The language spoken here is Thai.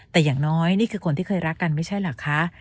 แต่อย่างน้อยนี่คือคนที่เคยรักกันไม่ใช่เหรอคะ